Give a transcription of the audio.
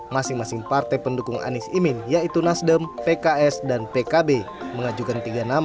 masing masing partai pendukung anies imin yaitu nasdem pks dan pkb mengajukan tiga nama